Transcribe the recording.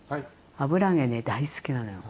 油揚げね大好きなのよ。